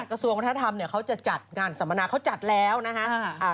กระทรวงวัฒนธรรมเนี่ยเขาจะจัดงานสัมมนาเขาจัดแล้วนะฮะ